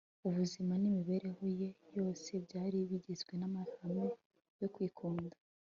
ubuzima n'imibereho ye yose byari bigizwe n'amahame yo kwikunda